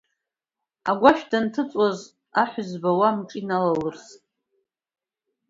Агәашә данҭыҵуаз аҳәызба уа амҿы иналалырсит.